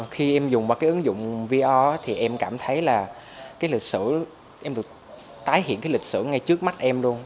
khi em dùng vào cái ứng dụng vr thì em cảm thấy là cái lịch sử em được tái hiện cái lịch sử ngay trước mắt em luôn